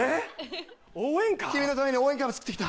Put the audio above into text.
君のために応援歌も作って来た